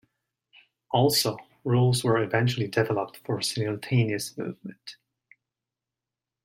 Also, rules were eventually developed for simultaneous movement.